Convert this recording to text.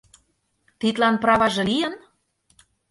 Тидлан праваже лийын?..